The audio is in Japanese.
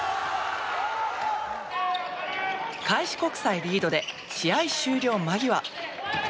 開志国際リードで試合終了間際。